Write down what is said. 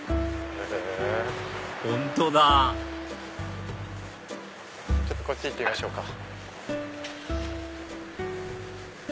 本当だこっち行ってみましょうか。